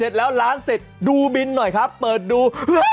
ล้างเสร็จดูบินหน่อยครับเปิดดู